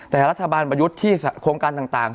แต่รัฐบาลประยุทธ์ที่โครงการต่าง